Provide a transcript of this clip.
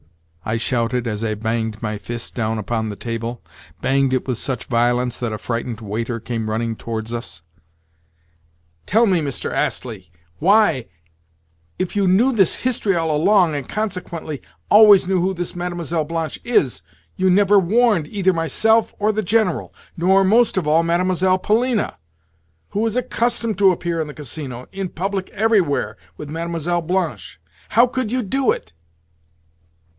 I shouted as I banged my fist down upon the table—banged it with such violence that a frightened waiter came running towards us. "Tell me, Mr. Astley, why, if you knew this history all along, and, consequently, always knew who this Mlle. Blanche is, you never warned either myself or the General, nor, most of all, Mlle. Polina" (who is accustomed to appear in the Casino—in public everywhere with Mlle. Blanche). "How could you do it?"